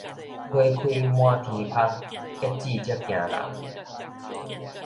花開滿天芳，結子才驚人